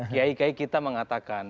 kiai kai kita mengatakan